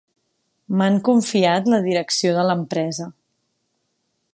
M'han confiat la direcció de l'empresa.